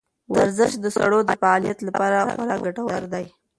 ورزش د سږو د فعالیت لپاره خورا ګټور دی.